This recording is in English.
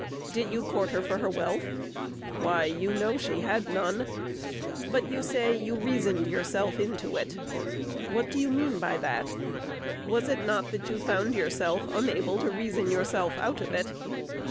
_ Did you court her for her wealth? Why, you know she had none. But you say you reasoned yourself into it. What do you mean by that? Was it not that you found yourself unable to reason yourself out of it?